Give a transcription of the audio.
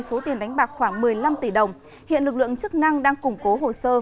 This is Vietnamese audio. số tiền đánh bạc khoảng một mươi năm tỷ đồng hiện lực lượng chức năng đang củng cố hồ sơ